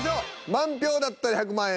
満票だったら１００万円！